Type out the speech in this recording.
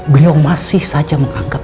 beliau masih saja menganggap